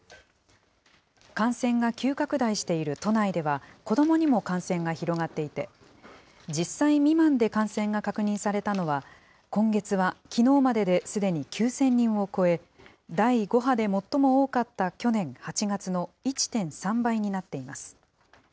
感染が急拡大している都内では、子どもにも感染が広がっていて、１０歳未満で感染が確認されたのは、今月はきのうまでですでに９０００人を超え、第５波で最も多かった去年８月の１．３倍になっています。